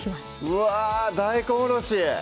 うわぁ大根おろし！